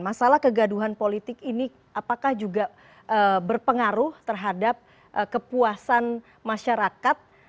masalah kegaduhan politik ini apakah juga berpengaruh terhadap kepuasan masyarakat